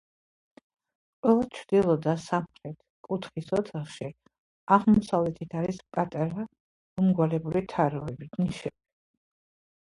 ყველა ჩრდილო და სამხრეთ კუთხის ოთახში აღმოსავლეთით არის პატარა მომრგვალებული თაროები, ნიშები.